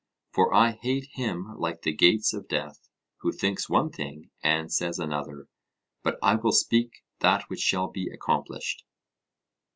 For I hate him like the gates of death who thinks one thing and says another. But I will speak that which shall be accomplished.'